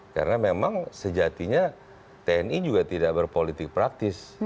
karena memang sejatinya tni juga tidak berpolitik praktis